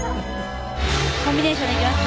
「コンビネーションでいきます。